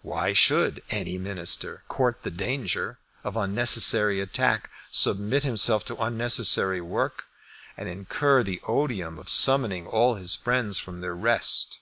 Why should any Minister court the danger of unnecessary attack, submit himself to unnecessary work, and incur the odium of summoning all his friends from their rest?